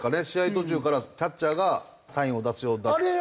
途中からキャッチャーがサインを出すようになって。